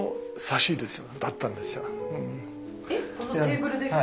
えっこのテーブルですか？